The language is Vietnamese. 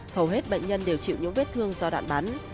hầu hết bệnh nhân đều chịu những vết thương do đoạn bắn